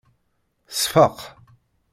Tseffeq.